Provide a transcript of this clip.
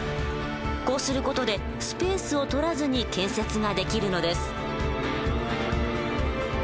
こうする事でスペースを取らずに建設ができるのです。